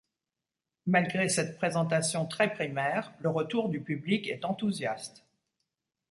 Malgré cette présentation très primaire, le retour du public est enthousiaste.